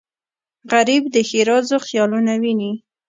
غریب د ښېرازو خیالونه ویني